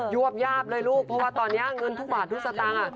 วบยาบเลยลูกเพราะว่าตอนนี้เงินทุกบาททุกสตางค์